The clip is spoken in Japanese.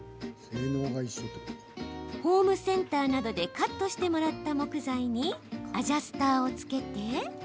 ホームセンターなどでカットしてもらった木材にアジャスターを付けて。